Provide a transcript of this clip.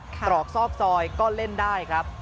ตรอกซอกซอยก็เล่นได้ครับ